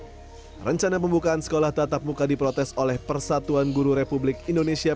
rencana pembukaan sekolah tatap muka diprotes oleh persatuan guru republik indonesia